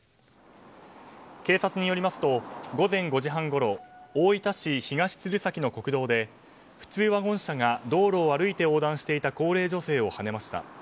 警察によりますと午前５時半ごろ大分市東鶴崎の国道で普通ワゴン車が道路を歩いて横断していた高齢女性をはねました。